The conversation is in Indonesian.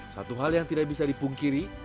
satu hal yang tidak bisa dipungkiri